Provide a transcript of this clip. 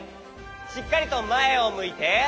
しっかりとまえをむいて。